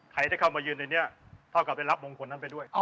ใครที่เข้ามายืนในนี้เท่ากับได้รับมงคลนั้นไปด้วย